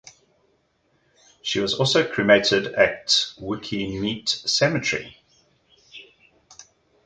She was also cremated at Waikumete Cemetery.